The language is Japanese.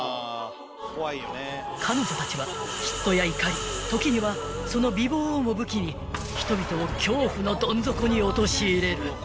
［彼女たちは嫉妬や怒り時にはその美貌をも武器に人々を恐怖のどん底に陥れる］